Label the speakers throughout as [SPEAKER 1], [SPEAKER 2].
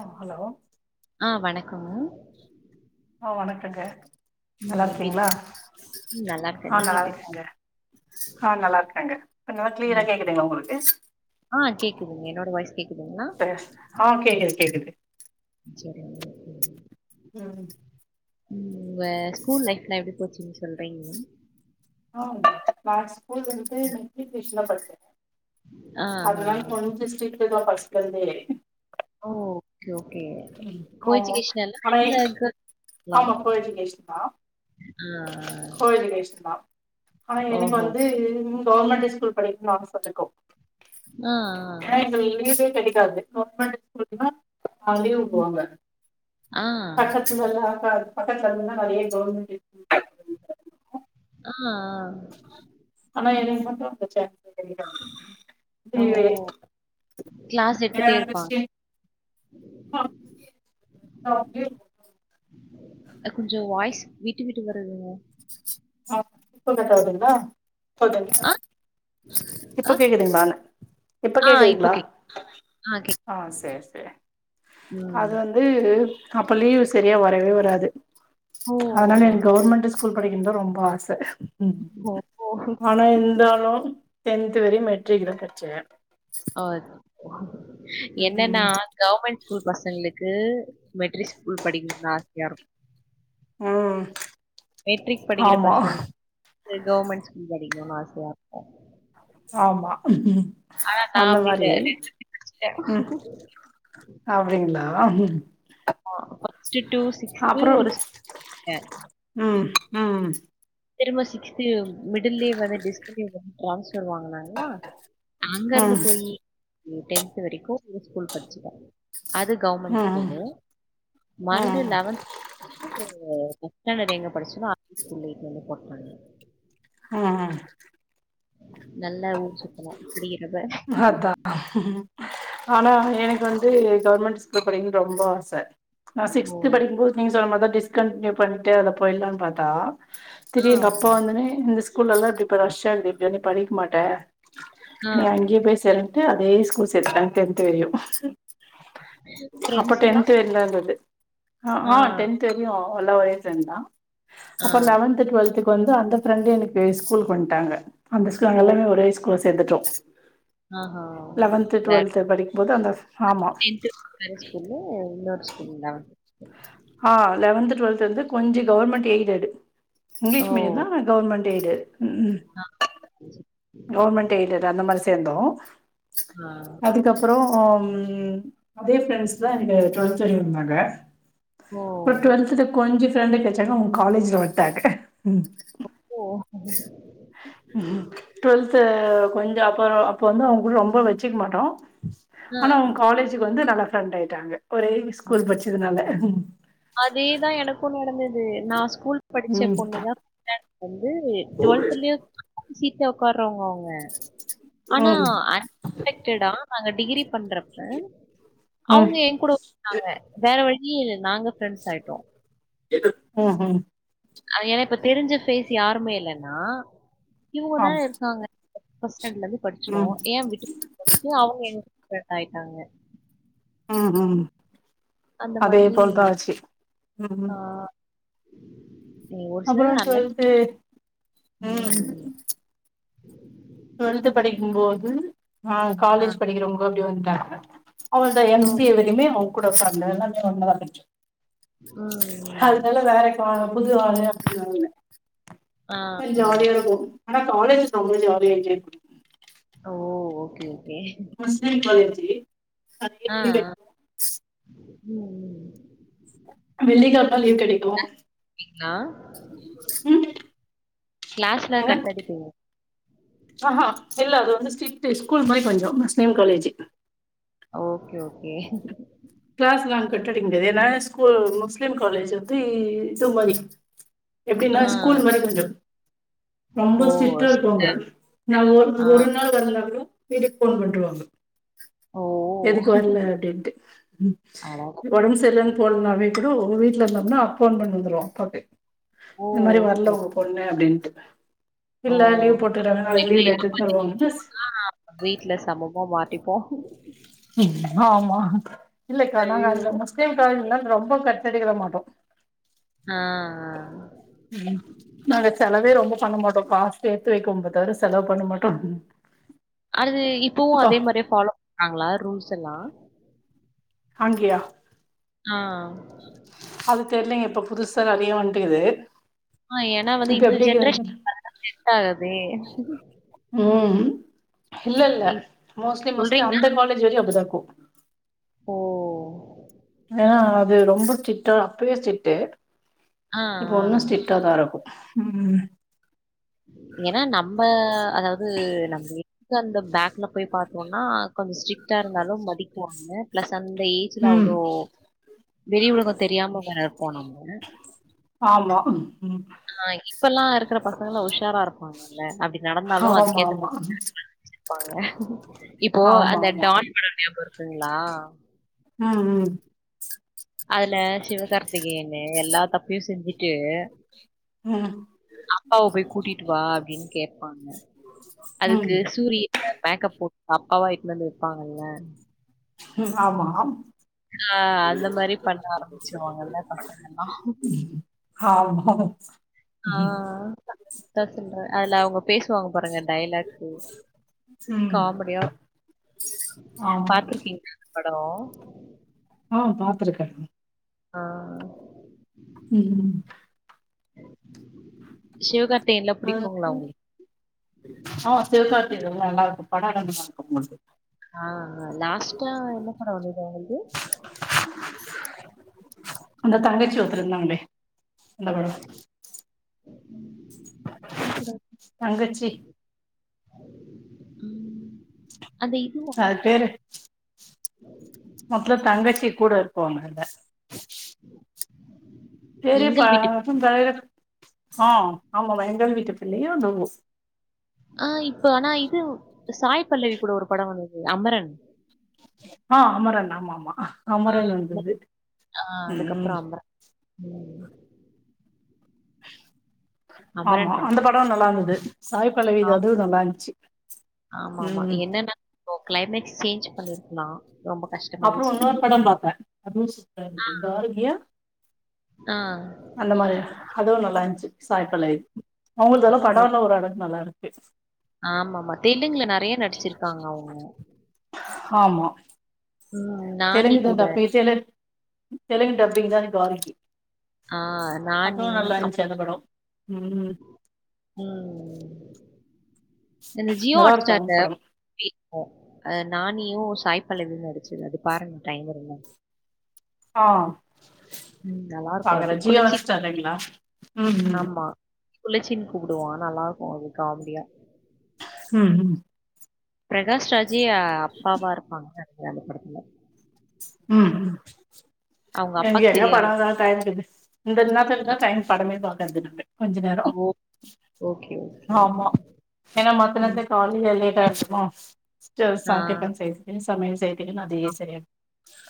[SPEAKER 1] ஆ hello
[SPEAKER 2] ஆ
[SPEAKER 1] ஓ வணக்கங்க
[SPEAKER 2] ம்
[SPEAKER 1] நல்லா
[SPEAKER 2] எப்டி இருக்
[SPEAKER 1] இருக்கீங்களா
[SPEAKER 2] ம் நல்லா இருக்கேன்.
[SPEAKER 1] ஆ
[SPEAKER 2] நீங்க
[SPEAKER 1] நல்லா
[SPEAKER 2] எப்டி இருக்
[SPEAKER 1] இருக்கேங்க ஆ நல்லா இருக்காங்க கொஞ்ச கிளியரா
[SPEAKER 2] ம்
[SPEAKER 1] கேக்குதுங்கள உங்களுக்கு
[SPEAKER 2] ஆ கேக்குதுங்க என்னோட வாய்ஸ் கேக்குதுங்களா
[SPEAKER 1] சரி. ஆ கேக்குது கேக்குது
[SPEAKER 2] சரி
[SPEAKER 1] ம்
[SPEAKER 2] ம் உங்க ஸ்கூல் லைப்ல எப்டி போச்சீங்கு சொல்றீங்கலா
[SPEAKER 1] ஆ நான் ஸ்கூல் வந்து மெட்ரிக்குலேஷன் லா படிச்சே
[SPEAKER 2] ஆ ஆ
[SPEAKER 1] [unintelligible]
[SPEAKER 2] ஓகே ஓகே
[SPEAKER 1] ஆமா
[SPEAKER 2] கோயச்சுகேசன்
[SPEAKER 1] ஆனா
[SPEAKER 2] இல்ல கேர்ள்
[SPEAKER 1] ஆமா கோ எஜிகேஷ தா
[SPEAKER 2] ம் ஆ
[SPEAKER 1] ஆ எனக்கு
[SPEAKER 2] ஓஹோ!
[SPEAKER 1] வந்து கவர்மெண்ட் ஸ்கூல் படிக்கும்ணனு ஆச அதிக
[SPEAKER 2] ஆ
[SPEAKER 1] ஏ எங்களுக்கு லீவே கெடைக்காது கவர்மெண்ட் ஸ்கூல்ன்னா அவங்க லீவ் உடுவாங்க
[SPEAKER 2] ஆ. ஆ.
[SPEAKER 1] [unintelligible] பக்கத்துல இருந்து தா நெறைய கவுவர்மெண்ட் [unintelligible]
[SPEAKER 2] ஆ ஆ
[SPEAKER 1] ஆனா என்ன
[SPEAKER 2] ஓ! கிளாஸ் எடுத்துட்டே இருப்பாங்க.
[SPEAKER 1] [unintelligible] [unintelligible] [unintelligible]
[SPEAKER 2] கொஞ்சோ வாய்ஸ் விட்டு விட்டு வருதுங்க
[SPEAKER 1] ஆ இப்போ கரெக்டா வருதுங்களா
[SPEAKER 2] ஆ
[SPEAKER 1] [unintelligible] இப்ப
[SPEAKER 2] ஆ
[SPEAKER 1] கேக்குதுங்ளான இப்ப
[SPEAKER 2] ஆ இப்போ
[SPEAKER 1] கேக்குதுங்ளா
[SPEAKER 2] கேக்குது.
[SPEAKER 1] ஆ சேர் சேர்
[SPEAKER 2] ம்.
[SPEAKER 1] அது வந்து அப்ப லீவு சரியா வரவே வராது
[SPEAKER 2] ஓ! ஓ!
[SPEAKER 1] அதுனால
[SPEAKER 2] ஓ.
[SPEAKER 1] எனக் கவர்மண்ட்டு ஸ்கூல் படிக்கனுனு ரொம் ப ஆச
[SPEAKER 2] ஓ!
[SPEAKER 1] ஆனா இருந்தாலு டென்த் வரயு மெட்ரிக் தா படுச்சே
[SPEAKER 2] ஆ என்னன்னா
[SPEAKER 1] ம்
[SPEAKER 2] கவர்மண்ட் ஸ்கூல் பசங்களுக்கு மெட்ரிக் ஸ்கூல் படிக்கணுனுதா ஆசையா இருக்
[SPEAKER 1] ம்
[SPEAKER 2] மெட்ரிக் படிக்கிற
[SPEAKER 1] ஆமா
[SPEAKER 2] பசங் கு கவர்மண்ட் ஸ்கூல் படிக்கணுனு ஆசயா இருக்கு
[SPEAKER 1] ஆமா
[SPEAKER 2] நான்
[SPEAKER 1] அந்த
[SPEAKER 2] அப்படி இல்ல.
[SPEAKER 1] மாரி
[SPEAKER 2] படிச்சுட்டேன்.
[SPEAKER 1] ம் அப்டிங்ளா ஆஹ்
[SPEAKER 2] அ ஃபஸ்ட்டு டூ சிக்ஸ்த்து ஒரு [inaudible]
[SPEAKER 1] ம் ம்
[SPEAKER 2] திரும்ப சிக்ஸ்து மிடில்லயே வந்து டிஸ்கன்டினியு பண்ணி ட்ரான்ஸ் பர் வாங்னாங்ளா அங்க இருந்து
[SPEAKER 1] ம்
[SPEAKER 2] போயி [unintelligible] டென்த் வரைக்கு [inaudible] ஸ்கூல் படுச்சுட்டே அது கவர்மண்ட் ஸ்கூலு
[SPEAKER 1] ம்
[SPEAKER 2] மறுபடியு லவன்த்து ஃபஸ்டான்டட் எங்க படுச்சனோ அந்த ஸ்கூல்லயே [unintelligible] போட்டாங்க
[SPEAKER 1] ஆ ஆ
[SPEAKER 2] நல்
[SPEAKER 1] அதா ஆனா எனக்கு வந் து கவர்மண்ட் ஸ்கூல் படிக்கனுனு ரொம்ப ஆச நா
[SPEAKER 2] ஓ!
[SPEAKER 1] சிக்ஸ்த் படிக்கும்போது நீங்க சொன்ன மாரிதா டிஸ்கண்டினியு பண்ட்டு அத போய்லானு பாத்தா
[SPEAKER 2] ஆ,
[SPEAKER 1] திடீர் எங்க அப்பா வந்தோனே இந்த ஸ் ஸ்கூல்லல்லா இப்டிப் ப ரஷ்ஷா இருக்து இப்டி வந்து படிக் மாட்ட
[SPEAKER 2] ஆ, ஆ.
[SPEAKER 1] நீ அங்கயே போய் சேருன்டு அதே ஸ்கூல் சேத்துட்டாங்க டென்த் வரயு அப்ப
[SPEAKER 2] ஃப்ரெண்ட்ஸ் எல்லாம்?
[SPEAKER 1] டென்த் இல்ல அந்த இது ஆ ஆ டென்த் வரயு எல்லா ஒரே ஃப்ரண்ட்தா
[SPEAKER 2] ஆ.
[SPEAKER 1] அப்ப லவன்த் டுவல்த்து இப்ப வந்து அந்த ஃப்ரெண்டு் எனக்கு ஸ்கூல்கு வன்டாங்க அந்த ஸ்கூல்
[SPEAKER 2] ஓ!
[SPEAKER 1] நாங்க எல்லாமே ஒரே ஸ்கூல்ல சேந்துட்டோ
[SPEAKER 2] ஆஹா!
[SPEAKER 1] லவன்த்து டுவல்த்து படிக்கு போது அந்த ஆமா
[SPEAKER 2] டென்த்து வேற ஸ்கூலு இன்னொரு ஸ்கூலுங்ளா
[SPEAKER 1] ஆ லவன்த்து டுவல்த்து வந்து கொஞ்ச கவர்மெண்ட் எய்டடு இங்லீஷ் மீடியந் தா ஆனா கவர்மண்ட் எய்டட்
[SPEAKER 2] ஆ
[SPEAKER 1] கவர்மண்ட் எயிடட் அந்த மாரி சேந்தோ
[SPEAKER 2] ஆஹா!
[SPEAKER 1] அதுக்கப்பறோ ம் அதே ஃப்ரெண்ட்ஸ் தா எனக்கு டுவெல்த் வரயு இருந்தாங்க
[SPEAKER 2] ஓ!
[SPEAKER 1] அப்பறோ டுவல்தல கொஞ்ச ஃப்ரெண்டு கெடச்சாங்க அவுங்க காலேஜ்ல வன்ட்டாங்க ம்
[SPEAKER 2] ஓ!
[SPEAKER 1] ம் டு்வல்து கொஞ்சோ அப்பறோ அப்ப வந்து அவுங்க கூட ரொம்ப வச்சுக்க மாட்டோ
[SPEAKER 2] ஆ,
[SPEAKER 1] ஆனா அவுங்க காலேஜ்க்கு வந்து நல்ல ஃப்ரெண்ட் ஆய்ட்டாங்க ஒரே ஸ்கூல் படுச்சதுனால
[SPEAKER 2] அதேதா எனக்கு நடந்தது நா ஸ்கூல் படுச்ச
[SPEAKER 1] ம்
[SPEAKER 2] பொண்ணுதா வந்து
[SPEAKER 1] ம்
[SPEAKER 2] டுவல்த்லயு [inaudible] சீட்ல உக்காற்றவுங்க அவுங்க ஆனா அன் எக்ஸ்பெக்டடா நாங்க டிகிரி பண்றப்ப
[SPEAKER 1] ம்
[SPEAKER 2] அவுங்க ஏ கூட ஒர்க் பண்ணாங்க வேற வழியே இல்ல நாங்க ஃப்ரண்ட்ஸ் ஆய்ட்டோ
[SPEAKER 1] உ ஹு
[SPEAKER 2] அது ஏன்னா இப்ப தெருஞ்ச ஃபேஸ் யாருமே இல்லன்னா இவுங்கதா
[SPEAKER 1] ஆமா
[SPEAKER 2] இருக்காங்க ஃபர்ஸ்ட்டான்டட்ல இருந்து படுச்சோ
[SPEAKER 1] ம்
[SPEAKER 2] ஏ விட்டுட்டு போறீங்க அவுங்க [unintelligible] ஆய்ட்டாங்க
[SPEAKER 1] ம் ம் அதே
[SPEAKER 2] மாதிரி
[SPEAKER 1] போல் தா ஆச்சு ம்
[SPEAKER 2] ஆ ஏ- ஒரு
[SPEAKER 1] அப்றோ
[SPEAKER 2] சிலர் அன்எக்ஸ்
[SPEAKER 1] சொல்ட்டு ம்
[SPEAKER 2] [inaudible]
[SPEAKER 1] டுவெல்த் படிக்கும்போது ஆ
[SPEAKER 2] ஆ.
[SPEAKER 1] காலேஜ் படிக்கிறவங்க அப்டி வந்டாங்க அவளோட
[SPEAKER 2] ஓ!
[SPEAKER 1] எம் சி ஏ எதையுமே அவுங்கூட ஃப்ரெண்டு எல்லாமே ஒண்ணாத இருந்துச்சு
[SPEAKER 2] ம்.
[SPEAKER 1] அதனால வேலைக்கு வாங்க புது ஆளுங்க அப்டின்னு இல்ல
[SPEAKER 2] ஆ, ஆ.
[SPEAKER 1] ஜாலியா போணோ ஆனா காலேஜ் செம ஜாலியா என்ஜாய் பண்ணோ
[SPEAKER 2] ஓ! Okay, okay.
[SPEAKER 1] முஸ்லிம் காலேஜு
[SPEAKER 2] ஆ, ஆ.
[SPEAKER 1] [unintelligible]
[SPEAKER 2] ம்
[SPEAKER 1] வெள்ளிக்கிழம லீவ் கெடைக்கு
[SPEAKER 2] க்கீங்ளா
[SPEAKER 1] ம்
[SPEAKER 2] கிளாஸ்ல கட் அடிப்பீங்ளா
[SPEAKER 1] ஆஹ்ஹ் இல்ல அது வந்து ஸ்ட்ரீட் ஸ்கூல் மாறி கொஞ்சோ Muslim college
[SPEAKER 2] okay okay
[SPEAKER 1] class நாங்க கட்டடிக்க முடியாது ஏனா ஸ்கூல் முஸ்லிம் காலேஜ் வந்து இது மாரி
[SPEAKER 2] ஆ.
[SPEAKER 1] எப்டினா ஸ்கூல் மாரி கொஞ்சோ ரொம்ப
[SPEAKER 2] ஓ!
[SPEAKER 1] ஸ்ட்ரீடா
[SPEAKER 2] ஸ்
[SPEAKER 1] இருப்பாங்க நா ஒரு
[SPEAKER 2] ஆ.
[SPEAKER 1] ஒரு நாள் வர்லனா கூட வீட்டுக்கு போன் பண்ட்ருவாங்க
[SPEAKER 2] ஓ!
[SPEAKER 1] எதுக்கு வர்ல அப்டின்ட்டு ம்
[SPEAKER 2] அடடா!
[SPEAKER 1] ஒடம்பு சரியலன்னு போன் பண்ணாவே கூட உங்க வீட்ல இருந்தம்னா போன் பண்ணி வந்துருவான் அப்பாக்கு
[SPEAKER 2] ஓ!
[SPEAKER 1] இந்த மாரி வர்ல
[SPEAKER 2] ஓகே.
[SPEAKER 1] உங்க பொண்ணு அப்டின்ட்டு இல்ல
[SPEAKER 2] ஓ!
[SPEAKER 1] லீவ் போட்டுறங்க நாளைக்கு லீவ் லெட்டர் தருவாங்க மிஸ்
[SPEAKER 2] இப்போ
[SPEAKER 1] ஆமா இல்லக்கா நாங்க
[SPEAKER 2] ஐயோ!
[SPEAKER 1] அதுல முஸ்லிம் காலேஜ் இல்ல ரொம்ப கட் அடிக்க விடமாட்டோ
[SPEAKER 2] ஆ.
[SPEAKER 1] நாங்க செலவே ரொம்ப பண்ண மாட்டோ காசு சேத்து வெக்குவுமே தவிர செலவு பண்ண மாட்டோ
[SPEAKER 2] அது இப்பவு
[SPEAKER 1] க்கா
[SPEAKER 2] அதே மாரியே ஃபாலோ பண்றாங்ளா ரூல்ஸ் எல்லா
[SPEAKER 1] அங்கயா
[SPEAKER 2] ஆ
[SPEAKER 1] அது தெர்லங்க இப்ப புதுசா நெறயா வந்ட்டுக்குது
[SPEAKER 2] ஆ ஏனா வந்து இந்த ஜென்ரேஷன் [inaudible] செட் ஆகாதே
[SPEAKER 1] ம் இல்ல இல்ல
[SPEAKER 2] இ
[SPEAKER 1] மோஸ்ட்லி மோஸ்ட்லி
[SPEAKER 2] சொல்றீங்கன்னா
[SPEAKER 1] அந்த காலேஜ் வரையு அப்டிதா இருக்கு
[SPEAKER 2] ஓ
[SPEAKER 1] ஆ அது ரொம்ப கிட்ட அப்பயே ஸ்ட்ரீட்
[SPEAKER 2] ஆ,
[SPEAKER 1] இப்ப
[SPEAKER 2] ஆ.
[SPEAKER 1] ஒன்னு ஸ்ட்ரிடாதா இருக்கு ம்
[SPEAKER 2] ஏனா நம்ம அதாவது நம்மளுக்கு அந்த பேக்கல போய் பாத்தோனா கொஞ்சோ ஸ்ட்ரிக்டாக இருந்தாலு மதிக்குவாங்க தந்த ஏஜ்ல
[SPEAKER 1] ம்
[SPEAKER 2] அவ்ளோ வெளி உலகோ தெரியாம வேர போனாங்க
[SPEAKER 1] ஆஹ் ம்
[SPEAKER 2] இப்பெல்லா இருக்கிற பசங்கெல்லா உஷாரா இருப்பாங்கல்ல அப்டி நடந்தாலு
[SPEAKER 1] ஆமா
[SPEAKER 2] அதுக்கேத்த
[SPEAKER 1] ஆமா
[SPEAKER 2] மாரி இருப்பாங்க இப்போ
[SPEAKER 1] ஆமா
[SPEAKER 2] அந்த
[SPEAKER 1] ஆமா
[SPEAKER 2] டான் படோ ஞாபகோ இருக்குங்ளா
[SPEAKER 1] ம் ம்
[SPEAKER 2] அதுல சிவ கார்த்திகேயனு எல்லா தப்பயு செஞ்சுட்டு
[SPEAKER 1] ம்
[SPEAKER 2] அப்பாவ போய் கூட்டிட்டு வா அப்டின்னு கேப்பாங்க அதுக்கு
[SPEAKER 1] ம்
[SPEAKER 2] சூரிய மேக்கப் போட்டு அப்பாவா இட்டுனு வந்து வெப்பாங்கல்ல
[SPEAKER 1] ம் ஆமாம்
[SPEAKER 2] ஆ அந்த மாரி பண்ண ஆரம்பிச்சிருவாங்கல்ல பசங்கெல்லா
[SPEAKER 1] ஆமா
[SPEAKER 2] ஆ அதா சொல்ற அதுல அவுங்க பேசுவாங்க பாருங்க டயலாக்கு
[SPEAKER 1] ம்
[SPEAKER 2] காமெடியார்க்
[SPEAKER 1] ஆமா
[SPEAKER 2] பாத்துருக்கீங் லோ
[SPEAKER 1] ஆ பாத்திருக்கே
[SPEAKER 2] ஆ
[SPEAKER 1] ம்
[SPEAKER 2] சிவகார்த்
[SPEAKER 1] ஆ சிவகார்த் நல்லாருக்கூ பட நல்லார்க்கூ அவுங்குள்து
[SPEAKER 2] ஆ லாஸ்டா என்ன பட வந்துது அவுங்கள்து
[SPEAKER 1] அந்த தங்கச்சி ஒருத்தர் இர்ந்தாங்ளே அந்த படோ
[SPEAKER 2] என்ன படோ
[SPEAKER 1] தங்கச்சி
[SPEAKER 2] ம் அந்த இதுவும்
[SPEAKER 1] அது பேரு ஒத்த தங்கச்சி கூட இருக் கோ மேல செரிப்பா
[SPEAKER 2] எங்கள் வீட்டு
[SPEAKER 1] [unintelligible] ஆ ஆமாமா எங்க வீட்டு பிள்ளையோ என்னவோ
[SPEAKER 2] ஆ இப்ப ஆனா இதுவ் சாய் பல்லவி கூட ஒரு படோ வந்துது அமரன்
[SPEAKER 1] ஆ அமரன் ஆமாமா அ அமரன் வந்துது
[SPEAKER 2] ஆ
[SPEAKER 1] ம்
[SPEAKER 2] அதுக்கப்புறம் அமரன். ம்.
[SPEAKER 1] ஆமா
[SPEAKER 2] அமரன் படம்.
[SPEAKER 1] அந்த படோ நல்லாந்துது சாய்
[SPEAKER 2] ஆம்.
[SPEAKER 1] பல்லவியதூ நல்லாந்த்ச்சு
[SPEAKER 2] ஆமாமா என்னன்னா போ க்ளைமேக்ஸ் சேஞ்ச் பண்ணிருக்லா
[SPEAKER 1] அப்றோ இன்னொரு படம் பாத்தே அதுவு சூப்பராந்துது இந்த வாரோ கியா
[SPEAKER 2] ஆ.
[SPEAKER 1] அந்த மாரி அதுவு நல்லாந்த்ச்சு சாய்பல்லவி அவங்கள்து வரூ
[SPEAKER 2] ஓ.
[SPEAKER 1] படோலா ஓரளவ்கு நல்லார்க்கு
[SPEAKER 2] ஆமாமா தெலுங்குல நறைய நடிச்சிர்க்காங்க அவுங்கோ
[SPEAKER 1] ஆமா
[SPEAKER 2] நானி
[SPEAKER 1] தெலுங்கு தா
[SPEAKER 2] கூட.
[SPEAKER 1] டப் பேசி எனன் தெலுங்கு டப்பிங் தா எனக்கு வாழ்க்கி
[SPEAKER 2] ஆ
[SPEAKER 1] அதுவு
[SPEAKER 2] நானி
[SPEAKER 1] நல்லாந்த்சி
[SPEAKER 2] அப்புறம்
[SPEAKER 1] அந்த படோ ம்
[SPEAKER 2] ம் இந்த ஜியோ
[SPEAKER 1] நல்லா இருக்கு
[SPEAKER 2] ஹாட்ஸ்டார்ல
[SPEAKER 1] அவங்க படம்
[SPEAKER 2] கேக்கூ ஆ நானியூ சாய் பல்லவியூ நடிச்சது அது பாருங்க டைம் இருந்தா
[SPEAKER 1] ஆ
[SPEAKER 2] ம் நல்லாருக்கும்
[SPEAKER 1] பாக்குறே
[SPEAKER 2] அது.
[SPEAKER 1] ஜியோ
[SPEAKER 2] குளிர்ச்சி
[SPEAKER 1] ஹாட் ஸ்டார்லேங்கிளா ம் ம்
[SPEAKER 2] குள்ளச்சின் கூப்பிடுவா நல்லாருக்கோ அது காம்டியா
[SPEAKER 1] ம் ம்
[SPEAKER 2] ப்ரகாஷ் ராஜி அப்பாவா இருப்பாங்க அந்த படத்துல
[SPEAKER 1] ம் ம்
[SPEAKER 2] அவங்க அப்பாக்கு
[SPEAKER 1] எங்கெங்க
[SPEAKER 2] தெரியாம
[SPEAKER 1] படந்தா டைம்க்குது இந்த நேரத்துக்கு தா
[SPEAKER 2] அ
[SPEAKER 1] டைம் படமே பாக்குறது நாங்க கொஞ்ச நேரோ
[SPEAKER 2] ஓ! Okay, okay.
[SPEAKER 1] ஆமா ஏனா மத்த
[SPEAKER 2] ம்.
[SPEAKER 1] நேரத்துல காலேல லேட்டா ஓ [unintelligible]
[SPEAKER 2] ஆ
[SPEAKER 1] செய்றதுக்கு சமயல் செய்றதுக்குன் அதே செரியார்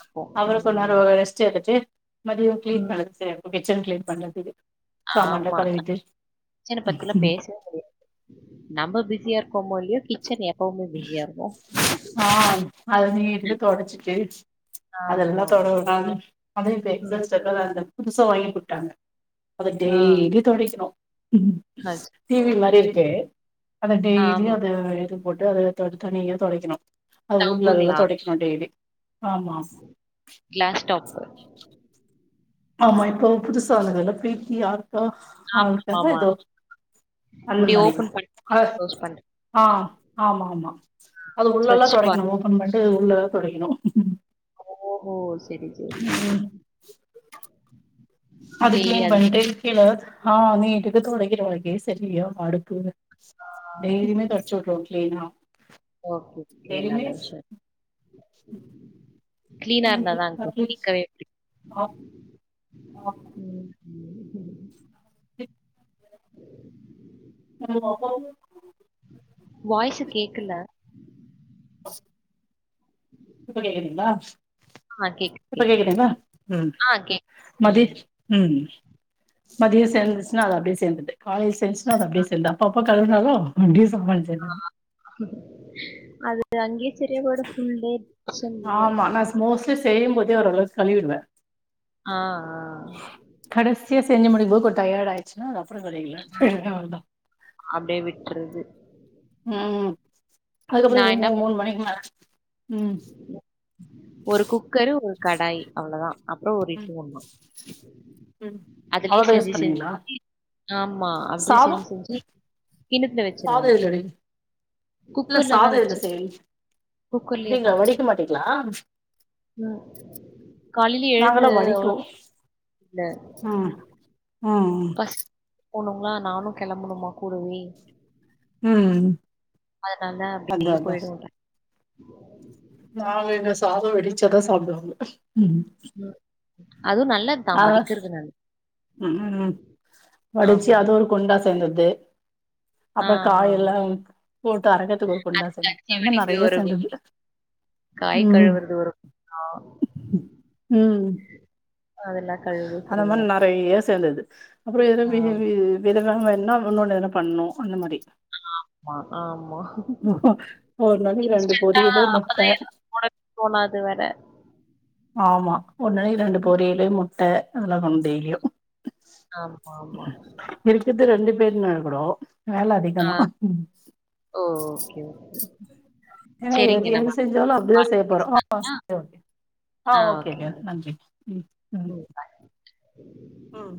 [SPEAKER 2] அப்போ
[SPEAKER 1] அப்றோ கொஞ்நேரோ
[SPEAKER 2] ம்.
[SPEAKER 1] ரெஸ்ட் எடுத்து மதியோ க்ளீன்
[SPEAKER 2] ம்.
[SPEAKER 1] பண்றதுக்கு செரியார்க்கூ கிச்சன் க்ளீன் பண்றதுக்கு சாமான்லா
[SPEAKER 2] ஆமா
[SPEAKER 1] கழுவிட்டு
[SPEAKER 2] கிச்சன பத்திலா பேசவே முடியாது நம்ம பிஸியார் போமோ இல்லியோ கிச்சன் எப்பவ்மே பிஸியாருக்கோ
[SPEAKER 1] ஆ அது நீட்கு தொடச்சிட்டு அதெல்லா
[SPEAKER 2] ஆமா.
[SPEAKER 1] தொட உடாம அதூ இப்ப
[SPEAKER 2] ம்.
[SPEAKER 1] எக்ஸாஸ் [unintelligible] புதுசா வாங்கி குட்டாங்க அத
[SPEAKER 2] ஆ.
[SPEAKER 1] டெய்லியு தொடைக்கணு டி
[SPEAKER 2] அச்சச்சோ!
[SPEAKER 1] வி மாரி இருக்கு அத டெய்லியு
[SPEAKER 2] ஆமா.
[SPEAKER 1] அதாயிரு போட்டு அது தொடு தனியா தொடைக்கணூ அது உள்ளல்லா
[SPEAKER 2] ஸ்டவ்வுங்களா?
[SPEAKER 1] தொடைக்ணு டெய்லி ஆமா
[SPEAKER 2] கிளாஸ் டாப்பு.
[SPEAKER 1] ஆமா இப்போ புதுசா வந்ததில்ல பீப்பி ஆர்த்தோ ஆள்க்காக
[SPEAKER 2] ஆமாமா.
[SPEAKER 1] இதோ அந்த
[SPEAKER 2] இப்படி
[SPEAKER 1] மாரிங்க
[SPEAKER 2] ஓப்பன் பண்ணி,
[SPEAKER 1] அ
[SPEAKER 2] குளோஸ் பண்றது.
[SPEAKER 1] ஆ ஆமா ஆமா அது உள்ளல்லா
[SPEAKER 2] ஸ்வட்ச் பாத்.
[SPEAKER 1] தொடைக்கணு ஓபன் பண்ட்டு உள்ளல்லா தொடைக்கணு
[SPEAKER 2] ஓஹோ செரி செரி
[SPEAKER 1] அதுக்கு ஏ பண்டே கீழ ஆ நீட்டுக்குத் தொடக்குற வழக்கே சரியா பாடுதூங்க டெய்லியுமே தொடச்சு வுட்ருவே கிளீனா
[SPEAKER 2] ஓகே கே நல்ல விஷய
[SPEAKER 1] ம்
[SPEAKER 2] கிளீனா இருந்தாதா கூடி கழ்டி
[SPEAKER 1] ஆ
[SPEAKER 2] [inaudible]
[SPEAKER 1] இ நல்ல [inaudible]
[SPEAKER 2] வாய்ஸ்ஸு கேக்கல
[SPEAKER 1] அ இப்ப கேக்குதுங்ளா
[SPEAKER 2] ஆ கேக்குது
[SPEAKER 1] இப்ப
[SPEAKER 2] கேக்குது.
[SPEAKER 1] கேக்குதுங்ள ம்
[SPEAKER 2] ஆ கேக்குது.
[SPEAKER 1] மதி
[SPEAKER 2] ம்.
[SPEAKER 1] ம் மதிய சேர்ந்துச்சின்னா அது அப்டியே சேர்ந்துருது காலைல சேந்துச்சின்னா அது அப்டியே சேந்தா அப்ப அப்ப கழுவுனாலு அப்டியே
[SPEAKER 2] அது அங்கயே சிரியா போய்டோ ஃபுல் டே கிசன்ல
[SPEAKER 1] ஆமா நா மோஸ்ட்லி செய்யும் போதே ஓர் அளவுக்கு கழுவிடுவே
[SPEAKER 2] ஆ ஆ
[SPEAKER 1] தியொ செஞ்சு முடிக்கும் போது கொங் டயர்ட் ஆயிச்சுன்னா அது அப்புறோ கழுவிக்கலான் ட்ருவே அவ்ளதா
[SPEAKER 2] ற்றது
[SPEAKER 1] ம் அதுக்கப்புறோ
[SPEAKER 2] என்ன
[SPEAKER 1] ஈவினிங்
[SPEAKER 2] பண்
[SPEAKER 1] மூணு மணிக்கு மேல ம்
[SPEAKER 2] ஒரு குக்கரு ஒரு கடாய் அவ்ளதா அப்புறோ ஒரு
[SPEAKER 1] ம்
[SPEAKER 2] இட்லி குண்டா
[SPEAKER 1] அவ்ளோதா யூஸ் பண்ணுவீங்களா
[SPEAKER 2] ஆமா அப்டியே செஞ்சு
[SPEAKER 1] சாதம்
[SPEAKER 2] செஞ்சு கிண்ணத்துல வெச்சிருவே
[SPEAKER 1] சாதம் இதுல வைங்க இல்ல சாத எது செய்
[SPEAKER 2] குக்கர்லயே
[SPEAKER 1] அப்டிங்களா
[SPEAKER 2] தான்.
[SPEAKER 1] வடிக்க மாட்டீங்களா
[SPEAKER 2] ம் காலையில எழுந்து
[SPEAKER 1] நாங்களா வடிக்குவோ
[SPEAKER 2] இந்த
[SPEAKER 1] ம் ம் ம்
[SPEAKER 2] பசி போணுங்களா நானு கெளம்பணுமா கூடவே
[SPEAKER 1] ம்
[SPEAKER 2] அதனால தா அப்டியே போய்டுவே
[SPEAKER 1] நா எங்க சாதோ வடிச்சாதா சாப்டுவாங்க ம்
[SPEAKER 2] ம் அதுவு நல்லது தா
[SPEAKER 1] அ
[SPEAKER 2] வடிக்கிறது நல்
[SPEAKER 1] ம் ம் வடிச்சா அது ஒரு குண்டா சேர்ந்துறுது
[SPEAKER 2] ஆ
[SPEAKER 1] அப்புறோ காய் எல்லா
[SPEAKER 2] ஆமா
[SPEAKER 1] போட்டு அரக்கத்துக்கு ஒரு கொண்டா செந்து
[SPEAKER 2] கஞ்சி
[SPEAKER 1] அது மரி
[SPEAKER 2] வடிக்க
[SPEAKER 1] நெறைய
[SPEAKER 2] ஒரு
[SPEAKER 1] சேர்துற்து
[SPEAKER 2] காய்
[SPEAKER 1] ம்
[SPEAKER 2] கழுவுறது ஒரு ஆ
[SPEAKER 1] ம்
[SPEAKER 2] அதெல்லா கழுவவே
[SPEAKER 1] அந்த
[SPEAKER 2] சரியா
[SPEAKER 1] மாரி நெறைய சேர்ந்துறுது அப்புறோ [unintelligible] இது
[SPEAKER 2] ஆமா
[SPEAKER 1] வேனானாங்கன்னா இன்னொன்னு எதன பண்ணணு அந்த மாரி
[SPEAKER 2] ஆமா ஆமா
[SPEAKER 1] ஒரு நாளைக்கு ரெண்டு
[SPEAKER 2] இன்ஸ்டன்ட
[SPEAKER 1] பொரியலு
[SPEAKER 2] ஆ அப்பதா
[SPEAKER 1] முட்ட
[SPEAKER 2] ஏதோ போட போனாது வேற
[SPEAKER 1] ஆமா ஒன்னு இல்லன்னா இரண்டு பொரியலு முட்ட அதெல்லா பண்ணு டெய்லியு
[SPEAKER 2] ஆமா ஆமா
[SPEAKER 1] இருக்குறது ரெண்டு பேருதா இருக்குறோ வேல அதிக
[SPEAKER 2] ஆ
[SPEAKER 1] அனா
[SPEAKER 2] ஓ! ஓகே ஓகே
[SPEAKER 1] ஏ எது
[SPEAKER 2] சரிங்க
[SPEAKER 1] எது
[SPEAKER 2] நம்ம
[SPEAKER 1] செஞ்சாலு அப்டிதா
[SPEAKER 2] கால்
[SPEAKER 1] செய்ய போறோ ஆ
[SPEAKER 2] பேசலாங்களா
[SPEAKER 1] ஓகே ஆ ஓகேங்க நன்றி ம் ம் ம்